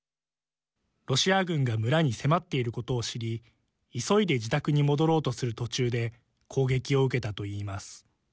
ロシア軍が村に迫っていることを知り急いで自宅に戻ろうとする途中で攻撃を受けたといいます。